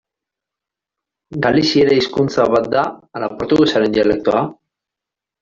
Galiziera hizkuntza bat da ala portugesaren dialektoa?